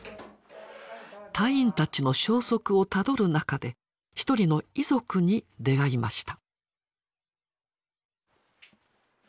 隊員たちの消息をたどる中で一人の遺族に出会いました。